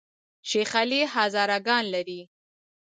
شیخ علي هزاره ګان لري؟